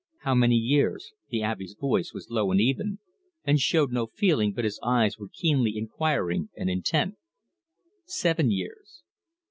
"How many years?" The Abbe's voice was low and even, and showed no feeling, but his eyes were keenly inquiring and intent. "Seven years."